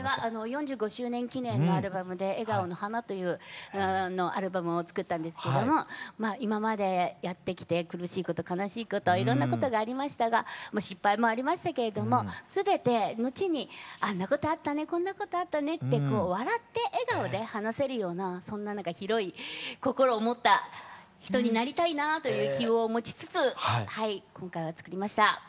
４５周年記念のアルバムで「笑顔の花」というアルバムを作ったんですけども今までやってきて苦しいこと悲しいこといろんなことがありましたが失敗もありましたけれども全て後にあんなことあったねこんなことあったねって笑って笑顔で話せるようなそんな広い心を持った人になりたいなという気を持ちつつ今回は作りました。